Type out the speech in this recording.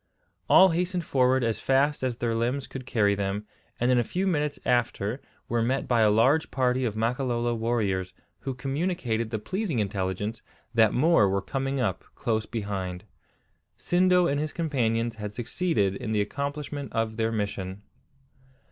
All hastened forward as fast as their limbs could carry them, and in a few minutes after were met by a large party of Makololo warriors, who communicated the pleasing intelligence that more were coming up close behind. Sindo and his companions had succeeded in the accomplishment of their mission.